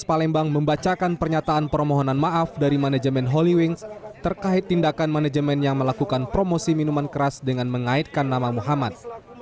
palembang membacakan pernyataan permohonan maaf dari manajemen holy wings terkait tindakan manajemen yang melakukan promosi minuman keras dengan mengaitkan nama muhammad